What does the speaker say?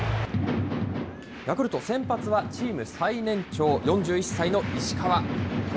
ヤクルト、先発はチーム最年長、４１歳の石川。